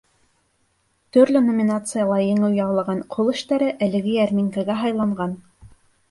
Төрлө номинацияла еңеү яулаған ҡул эштәре әлеге йәрминкәгә һайланған.